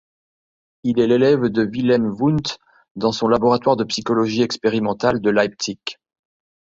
Il est l'élève de Wilhelm Wundt dans son laboratoire de psychologie expérimentale de Leipzig.